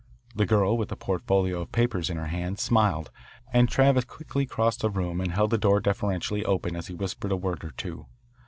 The girl, with a portfolio of papers in her hand, smiled, and Travis quickly crossed the room and held the door deferentially open as he whispered a word or two.